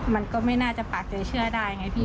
มันก็ไม่น่าจะปากใจเชื่อได้ไงพี่